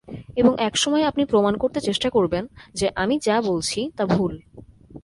এবং একসময় আপনি প্রমাণ করতে চেষ্টা করবেন যে আমি যা বলছি তা ভুল।